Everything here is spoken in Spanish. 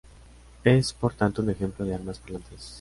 Es, por tanto, un ejemplo de armas parlantes.